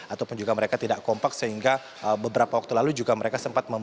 ataupun juga mereka tidak kompak sehingga beberapa waktu lalu juga mereka sempat